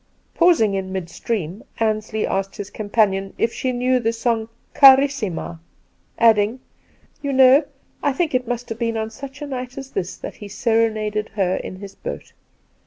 Pausing in midstream, Ansley asked his com panion if she knew the song ' Carissima,' adding, 'You know, I think it must have been on such a night as this that he serenaded her in his boat.